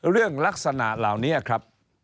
เรื่องลักษณะเหล่านี้ครับ